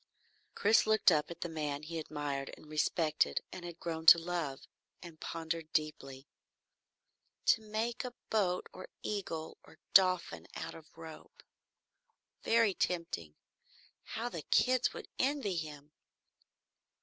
Chris looked up at the man he admired and respected and had grown to love, and pondered deeply. To make a boat or eagle or dolphin out of rope? Very tempting! How the kids would envy him!